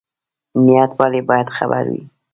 نیت ولې باید خیر وي؟